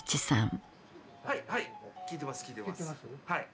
はい。